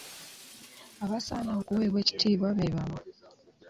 Abasaana okuweebwa ekitiibwa be bano.